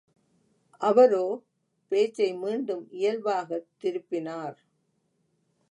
அவரோ பேச்சை மீண்டும் இயல்பாகத் திருப்பினார்.